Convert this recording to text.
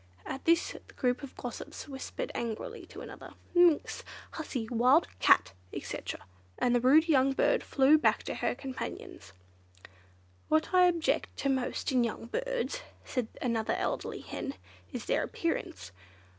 At this the group of gossips whispered angrily to one another, "Minx!" "Hussy!" "Wild cat!" etc., and the rude young bird flew back to her companions. "What I object to most in young birds," said another elderly hen, "is their appearance.